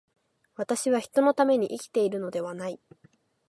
私は人のために生きているのではない。